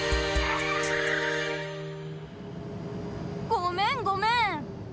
ごめんごめん！